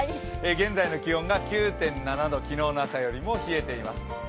現在の気温が９．７度、昨日の朝よりも冷えています。